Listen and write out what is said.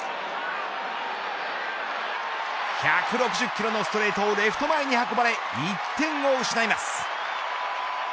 １６０キロのストレートをレフト前に運ばれ１点を失います。